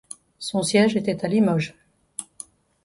Son siège était à Limoges.